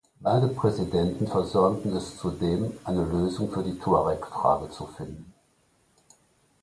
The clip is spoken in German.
Beide Präsidenten versäumten es zudem, eine Lösung für die Tuareg-Frage zu finden.